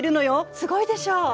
すごいでしょ？